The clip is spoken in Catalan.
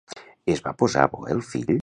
Es va posar bo el fill?